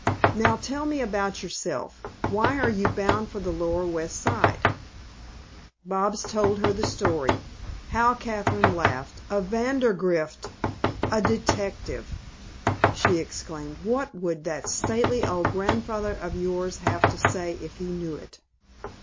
Now tell me about yourself. Why are you bound for the lower West Side?" Bobs told her story. How Kathryn laughed. "A Vandergrift a detective!" she exclaimed. "What would that stately old grandfather of yours have to say if he knew it?"